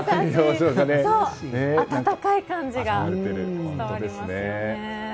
温かい感じが伝わりますよね。